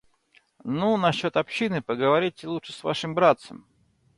Ну, насчет общины, поговорите лучше с вашим братцем.